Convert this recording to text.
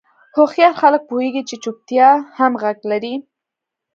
هوښیار خلک پوهېږي چې چوپتیا هم غږ لري.